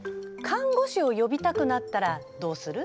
看護師をよびたくなったらどうする？